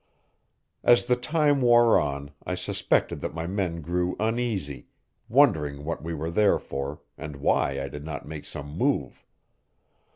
As the time wore on I suspected that my men grew uneasy, wondering what we were there for, and why I did not make some move.